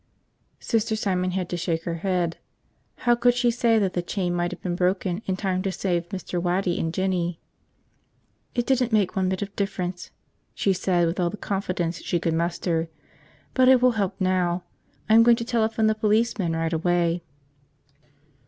Sister Simon had to shake her head. How could she say that the chain might have been broken in time to save Mr. Waddy and Jinny? "It didn't make one bit of difference," she said with all the confidence she could muster. "But it will help now. I'm going to telephone the policeman right away."